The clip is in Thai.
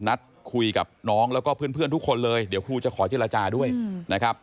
นัดคุยกับน้องแล้วก็เพื่อนทุกคนเลยเดี๋ยวครูจะขอเจรจาด้วยนะครับ